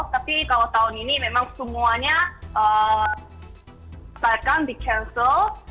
tapi kalau tahun ini memang semuanya setelahkan di cancel